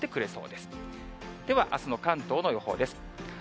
ではあすの関東の予報です。